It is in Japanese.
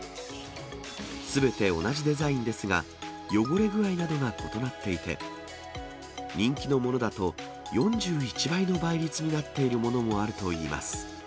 すべて同じデザインですが、汚れ具合などが異なっていて、人気のものだと４１倍の倍率になっているものもあるといいます。